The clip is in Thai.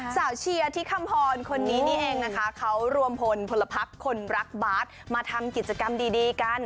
เชียร์ที่คำพรคนนี้นี่เองนะคะเขารวมพลพลพักคนรักบาสมาทำกิจกรรมดีกัน